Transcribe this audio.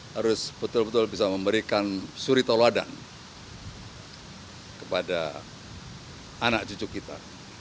harus betul betul bisa memberikan suri toladan kepada anak cucu kita